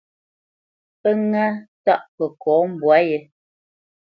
Pə́ ŋâ tâʼ kəkɔ mbwǎ yé.